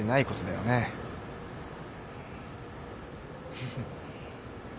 フフッ。